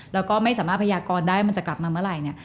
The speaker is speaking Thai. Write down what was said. แล้วก็ไม่สามารถพยากรได้มันจะกลับมาเมื่อไหร่เนี่ย